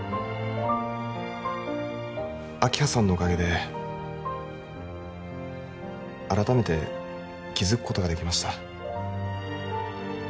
明葉さんのおかげで改めて気付くことができました